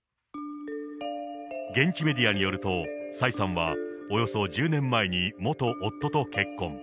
現地メディアによると、蔡さんはおよそ１０年前に元夫と結婚。